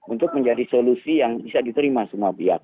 untuk menjadi solusi yang bisa diterima semua pihak